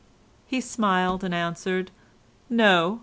He smiled, and answered: "No.